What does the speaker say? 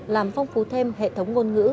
làm phong phú thêm hệ thống ngôn ngữ